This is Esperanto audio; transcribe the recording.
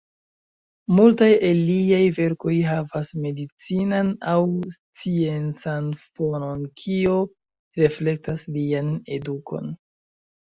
Multaj el liaj verkoj havas medicinan aŭ sciencan fonon kio reflektas lian edukon.